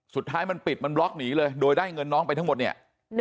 สุดท้ายมันปิดมันบล็อกหนีเลยโดยได้เงินน้องไปทั้งหมดเนี่ย